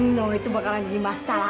no itu bakalan jadi masalah